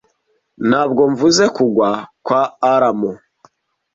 (Ntabwo mvuze kugwa kwa Alamo,